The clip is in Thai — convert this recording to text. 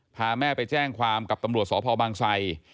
พาแม่ไปแจ้งความกับตำรวจสพบางไซ